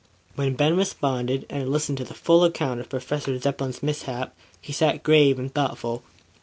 When Ben responded, and had listened to the full account of Professor Zepplin's mishap, he sat grave and thoughtful.